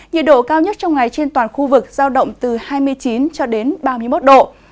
nhiệt độ cao nhất trong ngày trên toàn khu vực giao động từ hai mươi chín cho đến ba mươi một độ